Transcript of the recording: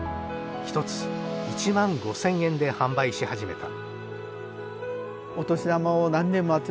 １つ１万５，０００円で販売し始めた。